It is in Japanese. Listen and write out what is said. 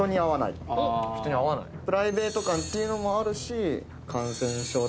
プライベート感っていうのもあるし感染症的な対策